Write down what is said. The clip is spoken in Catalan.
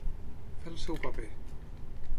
Fer el seu paper.